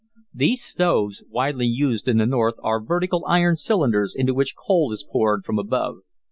These stoves, used widely in the North, are vertical iron cylinders into which coal is poured from above.